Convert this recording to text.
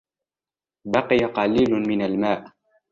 بقي قليل من الماء.